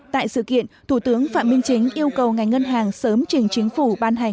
tại sự kiện thủ tướng phạm minh chính yêu cầu ngành ngân hàng sớm trình chính phủ ban hành